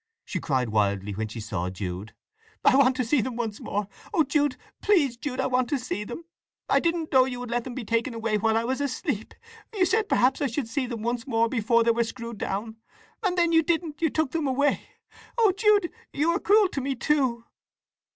she cried wildly when she saw Jude. "I want to see them once more. Oh Jude—please Jude—I want to see them! I didn't know you would let them be taken away while I was asleep! You said perhaps I should see them once more before they were screwed down; and then you didn't, but took them away! Oh Jude, you are cruel to me too!"